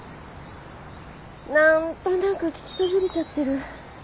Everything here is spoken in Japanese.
何となく聞きそびれちゃってる。